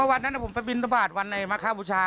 ว่าวันนั้นน่ะผมไปบินทะบาดวันในมคบุฦา